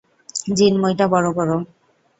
জিন, মইটা বড় কর।